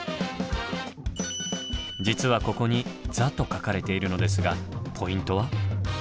実はここに「座」と書かれているのですがポイントは？